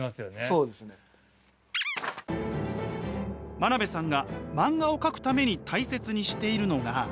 真鍋さんが漫画を描くために大切にしているのが。